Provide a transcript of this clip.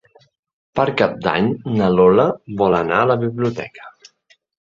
Per Cap d'Any na Lola vol anar a la biblioteca.